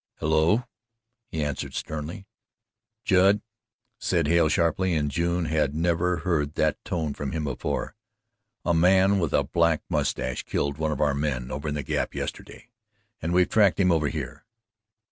"Hello!" he answered sternly. "Judd," said Hale sharply and June had never heard that tone from him before "a man with a black moustache killed one of our men over in the Gap yesterday and we've tracked him over here.